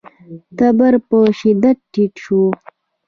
تبر په شدت ټيټ شو.